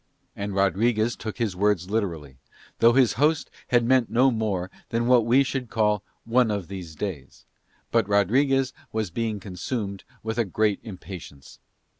And Rodriguez took his words literally, though his host had meant no more than what we should call "one of these days," but Rodriguez was being consumed with a great impatience.